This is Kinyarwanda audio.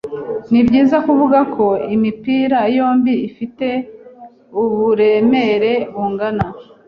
Nibyiza kuvuga ko imipira yombi ifite uburemere bungana.